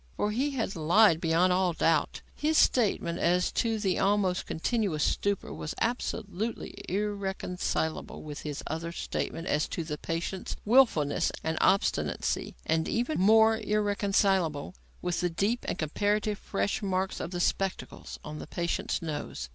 For he had lied, beyond all doubt. His statement as to the almost continuous stupor was absolutely irreconcilable with his other statement as to the patient's wilfulness and obstinacy and even more irreconcilable with the deep and comparatively fresh marks of the spectacles on the patient's nose.